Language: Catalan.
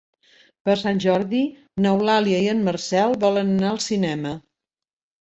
Per Sant Jordi n'Eulàlia i en Marcel volen anar al cinema.